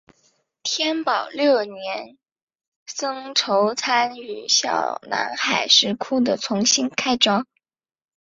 天保六年僧稠参与小南海石窟的重新开凿。